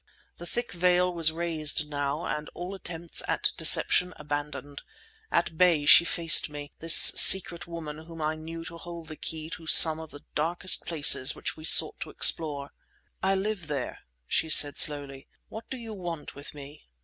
The thick veil was raised now and all attempts at deception abandoned. At bay she faced me, this secret woman whom I knew to hold the key to some of the darkest places which we sought to explore. "I live there," she said slowly. "What do you want with me?"